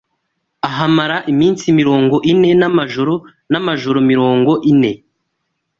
ahamara iminsi mirongo ine n’amajoro n,amajoro mirongo ine